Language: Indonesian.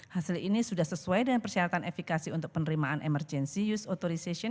hasil ini sudah sesuai dengan persyaratan efikasi untuk penerimaan emergency use authorization